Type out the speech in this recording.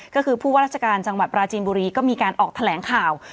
ก็คือผู้ว่าราชการจังหวัดปราจีนบุรีก็มีการออกแถลงข่าว